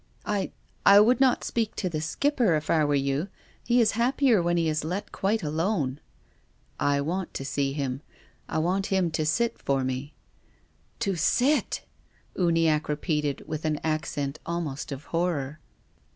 " I — I would not speak to the Skipper, if I THE GRAVE. 6l were you. He is happier when he is let quite alone." " I want to see him. I want him to sit for me." "To sit !" Uniacke repeated, with an accent almost of horror.